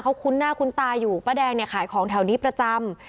เขาคุ้นหน้าคุ้นตาอยู่ป้าแดงเนี่ยขายของแถวนี้ประจำ